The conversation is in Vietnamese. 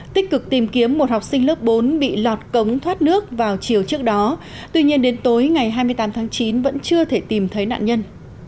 tích cực tìm kiếm một học sinh lớp bốn bị lọt cống thoát nước vào chiều trước đó tuy nhiên đến tối ngày hai mươi tám tháng chín vẫn chưa thể tìm thấy nạn nhân